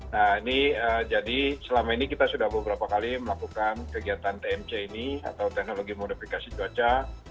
nah ini jadi selama ini kita sudah beberapa kali melakukan kegiatan tmc ini atau teknologi modifikasi cuaca